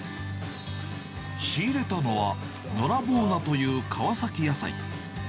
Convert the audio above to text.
仕入れたのは、のらぼう菜という川崎野菜。